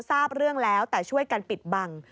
ทราบเรื่องแล้วแต่ช่วยกันปิดบัง